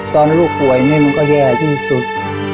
ตอนลูกหวยมันก็แย่ที่สุด